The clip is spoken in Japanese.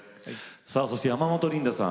さあそして山本リンダさん